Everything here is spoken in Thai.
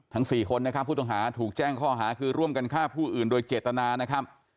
๔คนนะครับผู้ต้องหาถูกแจ้งข้อหาคือร่วมกันฆ่าผู้อื่นโดยเจตนานะครับ